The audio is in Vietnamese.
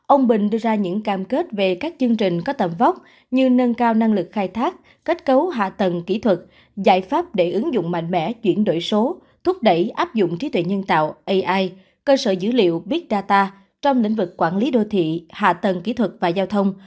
ông bình đưa ra những cam kết về các chương trình có tầm vóc như nâng cao năng lực khai thác kết cấu hạ tầng kỹ thuật giải pháp để ứng dụng mạnh mẽ chuyển đổi số thúc đẩy áp dụng trí tuệ nhân tạo ai cơ sở dữ liệu big data trong lĩnh vực quản lý đô thị hạ tầng kỹ thuật và giao thông